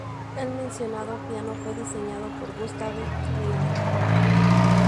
El mencionado piano fue diseñado por Gustave Lyon.